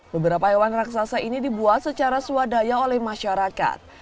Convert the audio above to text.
beberapa hewan raksasa ini dibuat secara swadaya oleh masyarakat